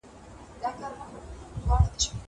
موسيقي واوره.